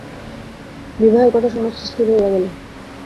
বিবাহের কথা সমস্ত স্থির হইয়া গেল।